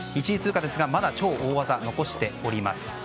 １位通過ですがまだ超大技を残しています。